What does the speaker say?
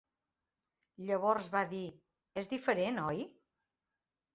Llavors va dir: "És diferent, oi?"